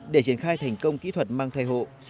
để triển khai thành công kỹ thuật mang thai hộ